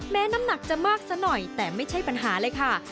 น้ำหนักจะมากซะหน่อยแต่ไม่ใช่ปัญหาเลยค่ะ